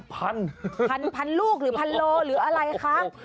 พันพันลูกหรือพันโลหรืออะไรคะ